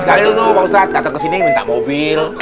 sekarang sekali dulu pak ustadz datang kesini minta mobil